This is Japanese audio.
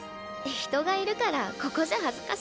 人がいるからここじゃ恥ずかしいよ。